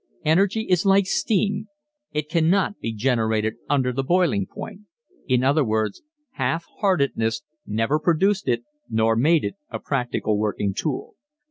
Energy is like steam it cannot be generated under the boiling point. In other words, half heartedness never produced it nor made it a practical working tool.